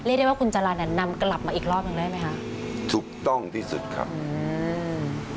ได้ว่าคุณจรรย์อ่ะนำกลับมาอีกรอบหนึ่งได้ไหมคะถูกต้องที่สุดครับอืม